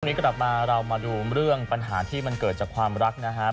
วันนี้กลับมาเรามาดูเรื่องปัญหาที่มันเกิดจากความรักนะครับ